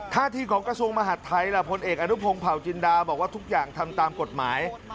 ที่ของกระทรวงมหาดไทยล่ะพลเอกอนุพงศ์เผาจินดาบอกว่าทุกอย่างทำตามกฎหมาย